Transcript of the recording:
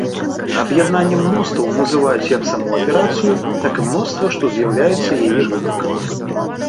Аб'яднаннем мностваў называюць як саму аперацыю, так і мноства, што з'яўляецца яе вынікам.